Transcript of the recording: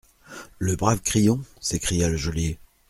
Le brave Crillon ? s'écria le geôlier.